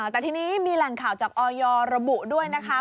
แต่ทีนี้มีแหล่งข่าวจากออยระบุด้วยนะคะ